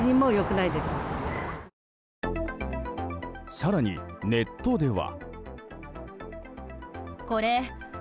更に、ネットでは。